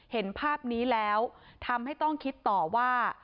เห็นภาพนี้แล้วทำให้ต้องคิดต่อว่า